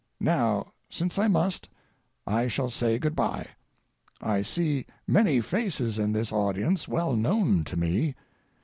Now, since I must, I shall say good bye. I see many faces in this audience well known to me.